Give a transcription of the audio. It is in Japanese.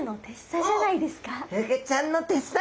フグちゃんのてっさ！